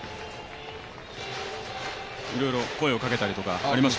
いろいろ声をかけたりとか、ありました？